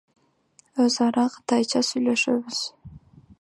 Өз ара кытайча сүйлөшөбүз.